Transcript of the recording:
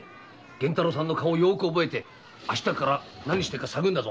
源太郎さんの顔をよく覚えて明日から何してるか探るんだぞ。